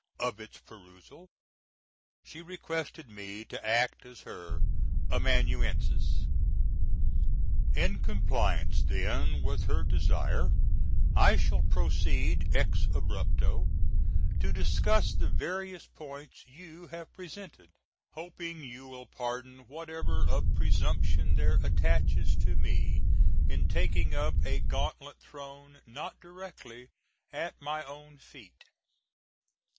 of its perusal, she requested me to act as her Amanuensis. In compliance, then, with her desire I shall proceed "ex abrupto" to discuss the various points you have presented; hoping you will pardon whatever of presumption there attaches to me in taking up a gauntlet thrown not directly at my own feet.